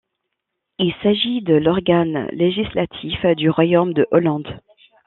Il s'agit de l'organe législatif du royaume de Hollande.